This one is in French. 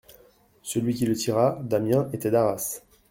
Celui qui le tira, Damiens, était d'Arras.